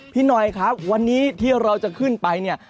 พี่หน่อยครับวันนี้ที่เราจะขึ้นไปเนี่ย